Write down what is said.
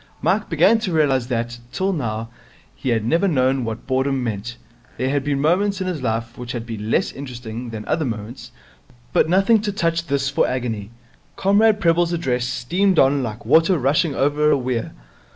Mike began to realize that, till now, he had never known what boredom meant. There had been moments in his life which had been less interesting than other moments, but nothing to touch this for agony. Comrade Prebble's address streamed on like water rushing over a weir.